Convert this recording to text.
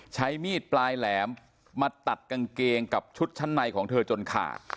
ใช้มีดปลายแหลมมาตัดกางเกงกับชุดชั้นในของเธอจนขา